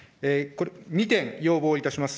２点、要望いたします。